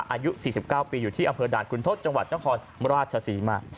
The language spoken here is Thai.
อายุ๔๙ปีอยู่ที่อำเภอด่านคุณทศจังหวัดนครราชศรีมา